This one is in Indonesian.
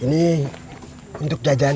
ini untuk jajan